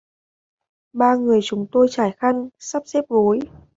Ba người chúng tôi trải chăn, sắp xếp gối